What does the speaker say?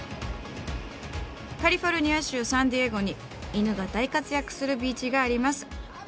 カリフォルニア州サンディエゴに犬が大活躍するビーチがあります。